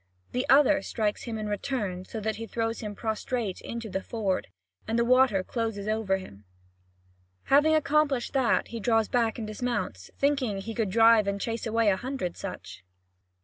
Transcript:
The other strikes him in return so that he throws him prostrate into the ford, and the water closes over him. Having accomplished that, he draws back and dismounts, thinking he could drive and chase away a hundred such.